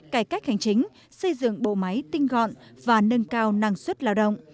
cải cách hành chính xây dựng bộ máy tinh gọn và nâng cao năng suất lao động